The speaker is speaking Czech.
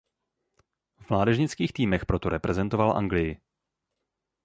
V mládežnických týmech proto reprezentoval Anglii.